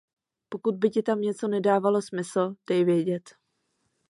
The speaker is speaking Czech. Pokud by ti tam něco nedávalo smysl, dej vědět.